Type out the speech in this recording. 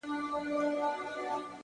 راځه رحچيږه بيا په قهر راته جام دی پير ـ